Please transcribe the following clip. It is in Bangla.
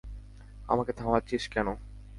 আমাকে থামাচ্ছিস কেন?